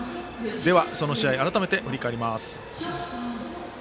その試合改めて振り返ります。